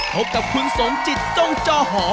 พบกับคุณสมจิตจงจอหอ